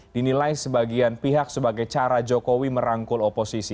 dinilai sebagian pihak sebagai cara jokowi merangkul oposisi